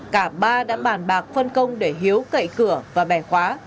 cả ba đã bàn bạc phân công để hiếu cậy cửa và bẻ khóa